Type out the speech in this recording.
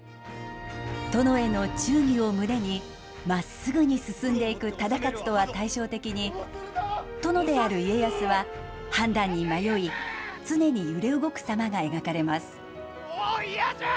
殿への忠義を胸に、まっすぐに進んでいく忠勝とは対照的に、殿である家康は判断に迷い、常に揺れ動くさまが描かれます。